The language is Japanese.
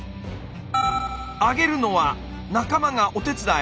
上げるのは仲間がお手伝い？